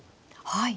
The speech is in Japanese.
はい。